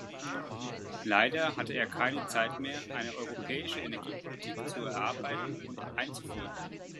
Leider hatte er keine Zeit mehr, eine europäische Energiepolitik zu erarbeiten und einzuführen.